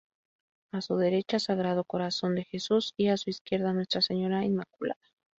A su derecha, Sagrado Corazón de Jesús y a su izquierda, Nuestra Señora Inmaculada.